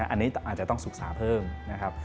อันนี้อาจจะต้องศึกษาเพิ่มนะครับ